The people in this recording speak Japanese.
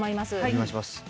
お願いします。